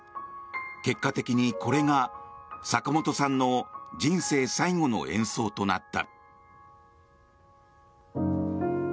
結果的にこれが、坂本さんの人生最後の演奏となった。